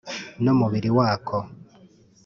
n’umubiri wako